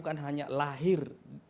yang hanya lahir